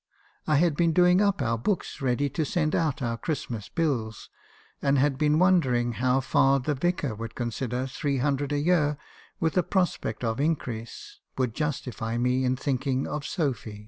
I had been doing up our books ready to send out our Christmas bills, and had been wondering how far the Vicar would consider three hundred a year, with a prospect of increase, would justify me in thinking of Sophy.